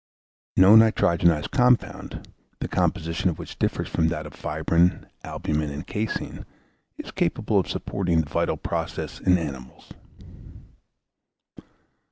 No nitrogenised compound, the composition of which differs from that of fibrine, albumen, and caseine, is capable of supporting the vital process in animals.